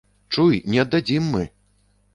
Чуй, не аддадзім мы!